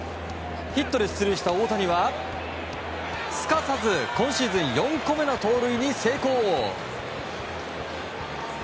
ヒットで出塁した大谷はすかさず今シーズン４個目の盗塁に成功。